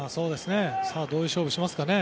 どういう勝負をしますかね。